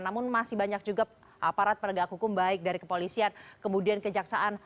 namun masih banyak juga aparat penegak hukum baik dari kepolisian kemudian kejaksaan